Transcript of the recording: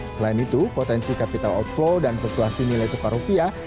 selain itu potensi capital outflow dan fluktuasi nilai tukar rupiah